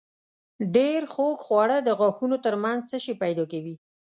ډېر خوږ خواړه د غاښونو تر منځ تشې پیدا کوي.